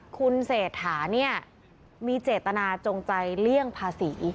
คุณเศรษฐาเนี่ยมีเจตนาจงใจเลี่ยงภาษี